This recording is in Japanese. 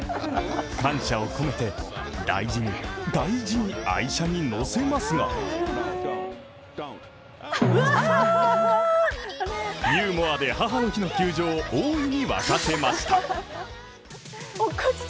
感謝を込めて、大事に、大事に愛車に乗せますがユーモアで母の日の球場を大いに沸かせました。